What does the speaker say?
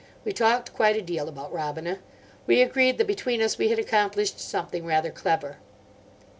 We talked quite a deal about Robina. We agreed that between us we had accomplished something rather clever.